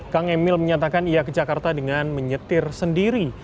kang emil menyatakan ia ke jakarta dengan menyetir sendiri